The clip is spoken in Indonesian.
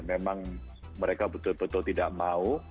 memang mereka betul betul tidak mau